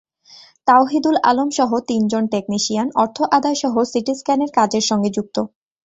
তাওহিদুল আলমসহ তিনজন টেকনিশিয়ান অর্থ আদায়সহ সিটি স্ক্যানের কাজের সঙ্গে যুক্ত।